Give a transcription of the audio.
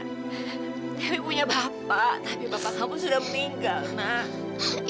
dewi punya bapak tapi bapak kamu sudah meninggal nak